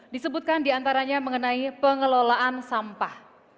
disebutkan diantaranya mengenai pengelolaan sampah